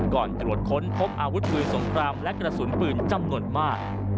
ตรวจค้นพบอาวุธปืนสงครามและกระสุนปืนจำนวนมาก